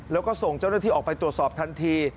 แล้วก็ส่งเจ้าหน้าที่ออกไปตรวจสอบทันที